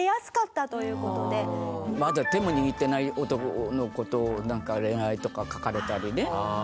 まだ手も握ってない男の子となんか恋愛とか書かれたりね。